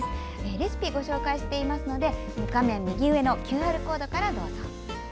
レシピご紹介していますので画面右上のＱＲコードからどうぞ。